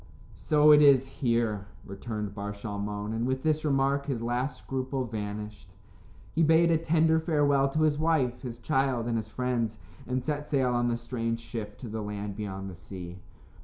"So it is here," returned Bar Shalmon, and with this remark his last scruple vanished. He bade a tender farewell to his wife, his child, and his friends, and set sail on the strange ship to the land beyond the sea.